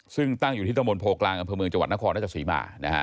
ซึ่งตั้งอยู่ที่ตะมนตโพกลางอำเภอเมืองจังหวัดนครราชศรีมา